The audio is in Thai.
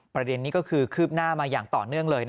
ประเด็นนี้ก็คือคืบหน้ามาอย่างต่อเนื่องเลย